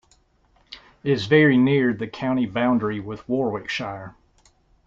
It is very near the county boundary with Warwickshire.